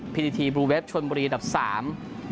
พิธีทีบลูเวฟชนบุรีอันดับสาม